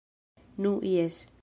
Nu jes.